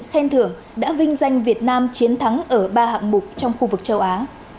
khen thưởng đã vinh danh việt nam chiến thắng ở ba hạng mục trong khu vực châu á